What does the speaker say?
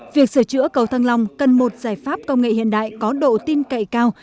việc sửa chữa cầu thăng long cần một giải pháp công nghệ hiện đại có độ tin cậy cao